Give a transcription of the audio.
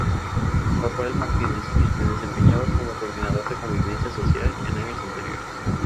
Rafael Martínez, quien se desempeñaba como Coordinador de Convivencia Social en años anteriores.